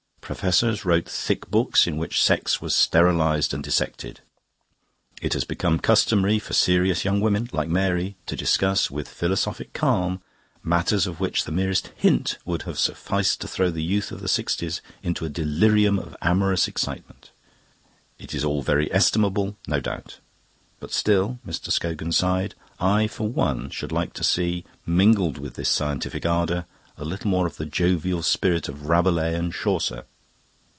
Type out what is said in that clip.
Professors wrote thick books in which sex was sterilised and dissected. It has become customary for serious young women, like Mary, to discuss, with philosophic calm, matters of which the merest hint would have sufficed to throw the youth of the sixties into a delirium of amorous excitement. It is all very estimable, no doubt. But still" Mr. Scogan sighed. "I for one should like to see, mingled with this scientific ardour, a little more of the jovial spirit of Rabelais and Chaucer."